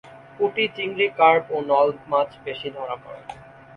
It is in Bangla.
পুঁটি, চিংড়ি, কার্প ও নল মাছ বেশি ধরা পড়ে।